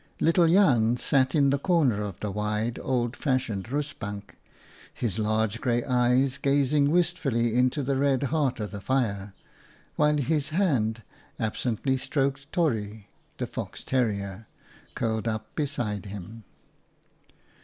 Little Jan sat in the corner of the wide, old fashioned rustbank, his large grey eyes gazing wistfully into the red heart of the fire, while his hand absently stroked Torry, the fox terrier, curled up beside him.